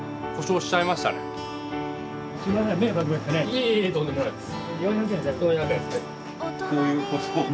いえいえいえとんでもないです。